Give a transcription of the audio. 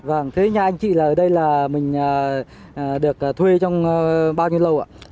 vâng thế nhà anh chị là ở đây là mình được thuê trong bao nhiêu lâu ạ